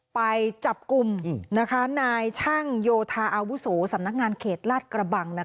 ไปจับกลุ่มนายช่างโยธาอาวุโสสำนักงานเขตลาดกระบัง